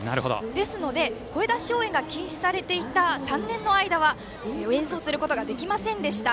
ですので声出し応援が禁止されていた３年の間は演奏することができませんでした。